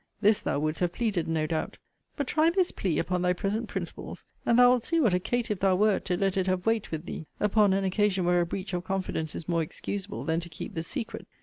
This thou wouldst have pleaded, no doubt. But try this plea upon thy present principles, and thou wilt see what a caitiff thou wert to let it have weight with thee, upon an occasion where a breach of confidence is more excusable than to keep the secret.